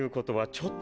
ちょっと！